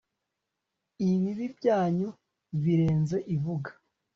ibibi byanyu birenze ivuga